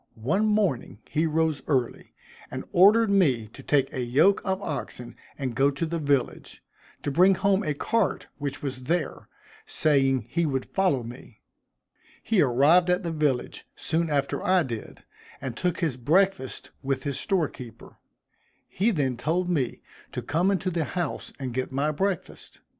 One morning he rose early, and ordered me to take a yoke of oxen and go to the village, to bring home a cart which was there, saying he would follow me. He arrived at the village soon after I did, and took his breakfast with his store keeper. He then told me to come into the house and get my breakfast.